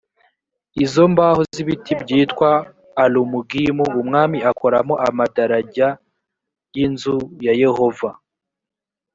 izo mbaho z ibiti byitwa alumugimu umwami akoramo amadarajya n y inzu ya yehova